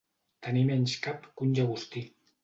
Tenir menys cap que un llagostí.